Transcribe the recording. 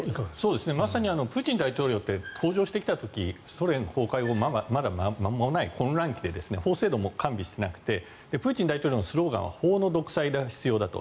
プーチン大統領って登場してきた時ソ連崩壊後まだ間もない混乱期で法制度も完備してなくてプーチン大統領のスローガンは法の独裁が必要だと。